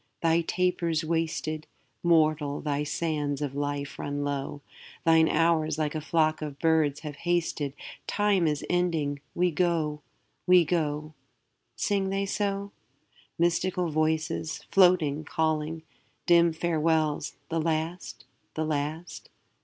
'Thy taper's wasted; Mortal, thy sands of life run low; Thine hours like a flock of birds have hasted: Time is ending; we go, we go.' Sing they so? Mystical voices, floating, calling; Dim farewells the last, the last?